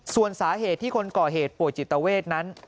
ส่วนสาเหตุที่คนก่อเหตุป่วยจิตเวทนั้น